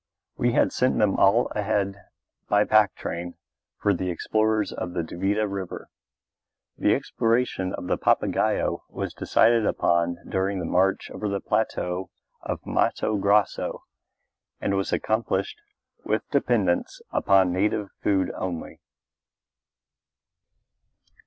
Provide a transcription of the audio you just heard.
We had sent them all ahead by pack train for the explorers of the Duvida River. The exploration of the Papagaio was decided upon during the march over the plateau of Matto Grosso and was accomplished with dependence upon native food only.